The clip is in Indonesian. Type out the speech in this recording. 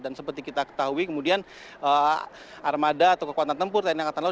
dan seperti kita ketahui kemudian armada atau kekuatan tempur tni angkatan laut